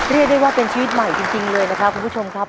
เรียกได้ว่าเป็นชีวิตใหม่จริงเลยนะครับคุณผู้ชมครับ